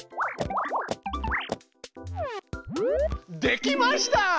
できました！